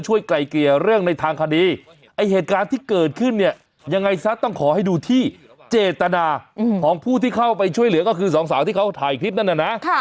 ใช่ค่ะคุณไม่ควรใช้ความแข็งแรงกว่ามาทำร้ายเรา